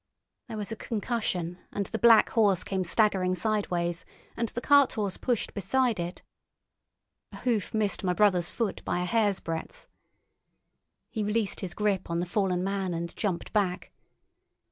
There was a concussion, and the black horse came staggering sideways, and the carthorse pushed beside it. A hoof missed my brother's foot by a hair's breadth. He released his grip on the fallen man and jumped back.